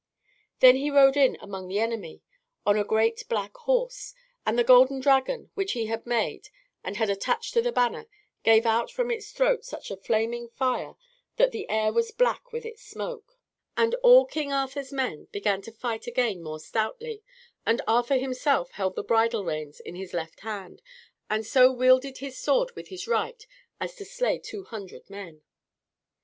Then he rode in among the enemy on a great black horse; and the golden dragon which he had made and had attached to the banner gave out from its throat such a flaming fire that the air was black with its smoke; and all King Arthur's men began to fight again more stoutly, and Arthur himself held the bridle reins in his left hand, and so wielded his sword with his right as to slay two hundred men.